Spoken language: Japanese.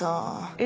え？